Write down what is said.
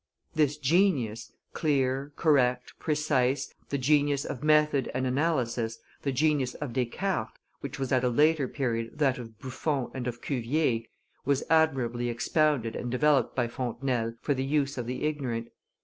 This genius, clear, correct, precise, the genius of method and analysis, the genius of Descartes, which was at a later period that of Buffon and of Cuvier, was admirably expounded and developed by Fontenelle for the use of the ignorant.